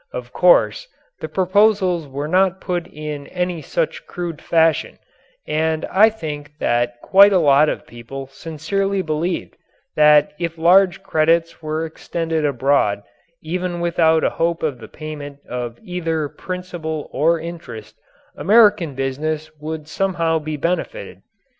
Of course the proposals were not put in any such crude fashion, and I think that quite a lot of people sincerely believed that if large credits were extended abroad even without a hope of the payment of either principal or interest, American business would somehow be benefited.